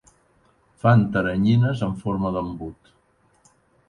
Fan teranyines en forma d'embut.